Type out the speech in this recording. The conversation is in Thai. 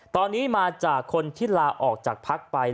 ตอนนี้มาจากคนที่ลาออกจากพักไป